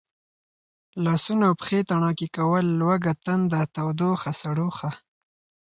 لاسونه او پښې تڼاکې کول، لوږه تنده، تودوخه، سړوښه،